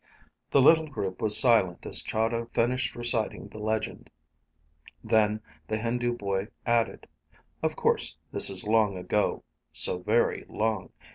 The little group was silent as Chahda finished reciting the legend. Then the Hindu boy added, "Of course this is long ago. So very long.